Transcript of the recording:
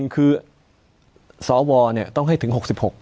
คือสวต้องให้ถึง๖๖